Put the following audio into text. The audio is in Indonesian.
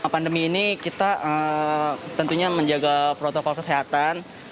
pandemi ini kita tentunya menjaga protokol kesehatan